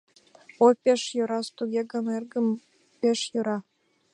— Ой, пеш йӧрас, туге гын, эргым, пеш йӧра!